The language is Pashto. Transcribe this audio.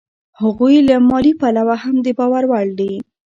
هغوی له مالي پلوه هم د باور وړ دي